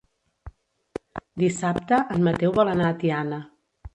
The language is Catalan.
Dissabte en Mateu vol anar a Tiana.